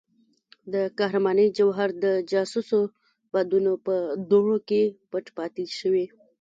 د قهرمانۍ جوهر د جاسوسو بادونو په دوړو کې پټ پاتې شوی.